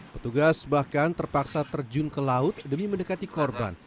petugas bahkan terpaksa terjun ke laut demi mendekati korban